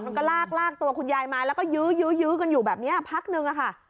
มันก็ลากลากตัวคุณยายมาแล้วก็ยื้อยื้อกันอยู่แบบนี้พักนึงอะค่ะ